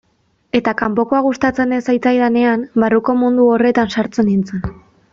Eta kanpokoa gustatzen ez zitzaidanean, barruko mundu horretan sartzen nintzen.